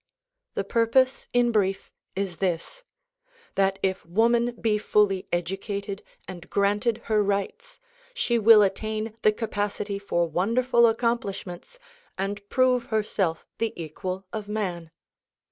The purpose, in brief, is this — that if woman be fully educated and granted her rights, she will attain the capacity for wonderful accomplishments and prove herself the equal of man.